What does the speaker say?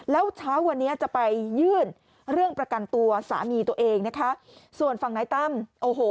แล้วเช้าวันนี้จะไปยื่นเรื่องประกันตัวสามีตัวเองนะคะส่วนฝั่งนายตั้มโอ้โห